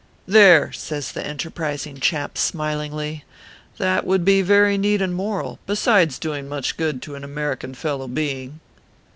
"There!" says the enterprising chap, smilingly, " that would be very neat and moral, besides doing much good to an American fellow being."